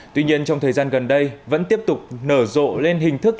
tuy nhiên trong thời gian gần đây vẫn tiếp tục nở rộ lên hình thức